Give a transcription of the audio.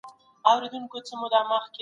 ولي ځيني هیوادونه کډوال نه مني؟